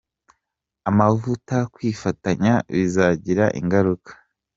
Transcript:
amavuta Kwifatanya bizagira ingaruka.